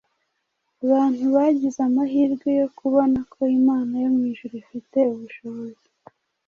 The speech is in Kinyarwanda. abantu bagize amahirwe yo kubona ko Imana yo mu ijuru ifite ubushobozi